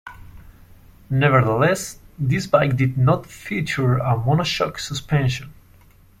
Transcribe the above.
Nevertheless, this bike did not feature a mono-shock suspension.